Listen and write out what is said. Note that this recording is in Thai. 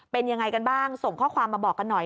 เป็นยังไงกันบ้างส่งข้อความมาบอกกันหน่อย